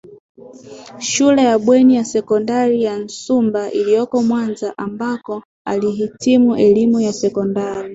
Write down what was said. shule ya Bweni ya Sekondari ya Nsumba iliyoko Mwanza ambako alihitimu elimu ya Sekondari